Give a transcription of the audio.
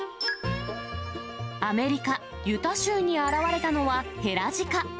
アメリカ・ユタ州に現れたのは、ヘラジカ。